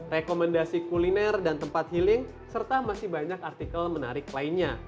rekomendasi kuliner dan tempat healing serta masih banyak artikel menarik lainnya